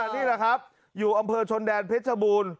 นี่แหละครับอยู่อำเภอชนแดนเพชรบูรณ์